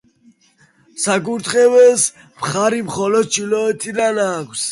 საკურთხეველს მხარი მხოლოდ ჩრდილოეთიდან აქვს.